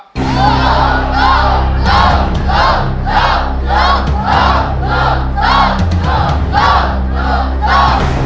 ค่ะ